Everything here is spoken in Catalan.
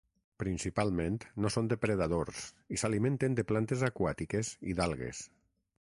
Principalment no són depredadors i s'alimenten de plantes aquàtiques i d'algues.